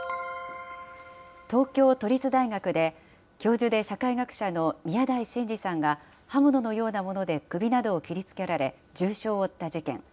東京都立大学で、教授で社会学者の宮台真司さんが刃物のようなもので首などを切りつけられ重傷を負った事件。